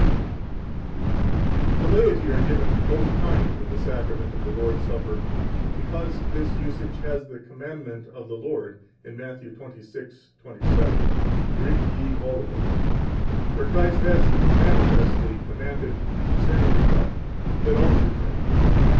1 To the laity are given Both Kinds in the Sacrament of the Lord's Supper, because this usage has the commandment of the Lord in Matt. 26:27: Drink ye all of it, 2 where Christ has manifestly commanded concerning the cup that all should drink.